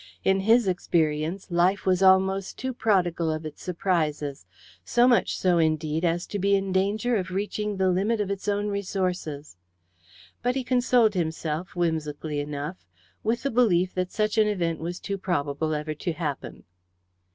In his experience, Life was almost too prodigal of its surprises, so much so, indeed, as to be in danger of reaching the limit of its own resources. But he consoled himself, whimsically enough, with the belief that such an event was too probable ever to happen.